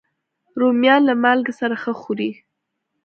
رومیان له مالګې سره ښه خوري